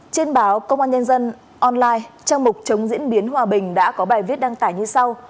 trên báo công an nhân dân online trang mục chống diễn biến hòa bình đã có bài viết đăng tải như sau